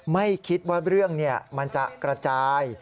ไม่คิดว่าเรื่องมันจะกระจาย